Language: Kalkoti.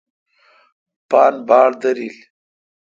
پان باڑ داریل۔